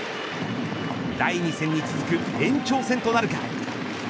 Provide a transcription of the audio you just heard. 第２戦に続く延長戦となるか。